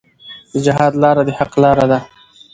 د جهاد لاره د حق لاره ده.